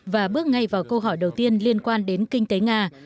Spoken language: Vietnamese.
và bước ngay vào câu hỏi đầu tiên liên quan đến kinh tế nga